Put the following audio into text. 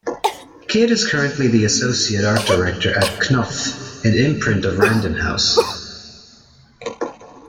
Kidd is currently the associate art director at Knopf, an imprint of Random House.